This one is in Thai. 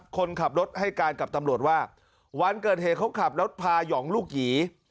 คนขับรถให้การกับตำรวจว่าวันเกิดเหตุเขาขับรถพาหยองลูกหยี